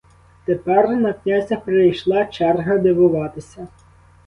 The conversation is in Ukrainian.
Тепер на князя прийшла черга, дивуватися.